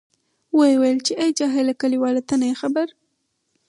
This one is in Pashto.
ویې ویل، چې آی جاهله کلیواله ته نه یې خبر.